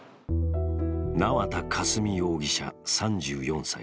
縄田佳純容疑者、３４歳。